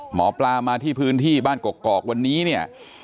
หมอปลามาที่พื้นที่บ้านกอกวันนี้เนี่ย